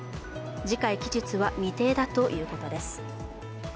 次回期日は未定だということです。